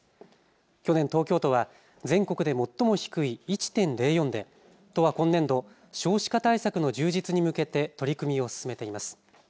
去年、東京都は全国で最も低い１．０４で都は今年度、少子化対策の充実に向けて取り組みを進めています。